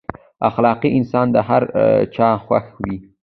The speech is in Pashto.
اخلاقي انسان د هر چا خوښ وي.